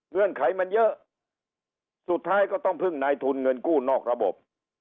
เงื่อนไขมันเยอะสุดท้ายก็ต้องพึ่งนายทุนเงินกู้นอกระบบ